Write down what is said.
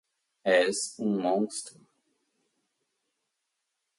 És um monstro